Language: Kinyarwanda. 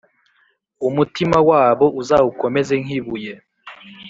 umutima wabo uzawukomeze nk’ibuye,